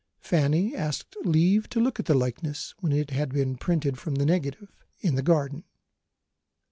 Fanny asked leave to look at the likeness when it had been "printed" from the negative, in the garden.